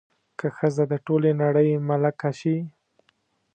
که ښځه د ټولې نړۍ ملکه شي